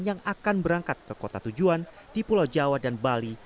yang akan berangkat ke kota tujuan di pulau jawa dan bali